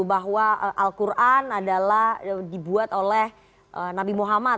bahwa al quran adalah dibuat oleh nabi muhammad